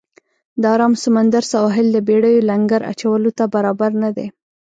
د آرام سمندر سواحل د بېړیو لنګر اچولو ته برابر نه دی.